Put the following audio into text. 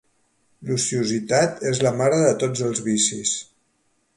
L'ociositat és la mare de tots els vicis.